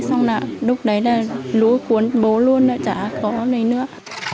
xong là lúc đấy là lũ cuốn bố luôn chả có lấy nữa